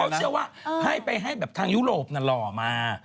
เขาเชื่อว่าให้ไปให้แบบทางยุโรปน่ะหล่อมา